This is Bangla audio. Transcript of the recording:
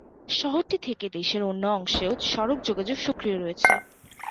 শহরটি থেকে দেশের অন্য অংশেও সড়ক যোগাযোগ সক্রিয় রয়েছে।